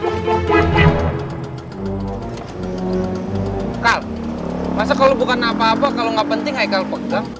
masa kalau bukan apa apa kalau nggak penting haikal pegang